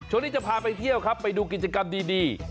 ช่วงนี้จะพาไปเที่ยวครับไปดูกิจกรรมดี